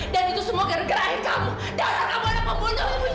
dan itu semua gara gara kamu dan kamu adalah pembunuh